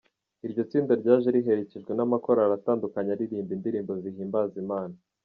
Iryo tsinda ryaje riherekewje n’amakorali atandukanye aririmba indirimbo zihimbaza Imana.